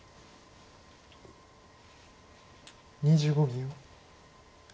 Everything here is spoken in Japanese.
２５秒。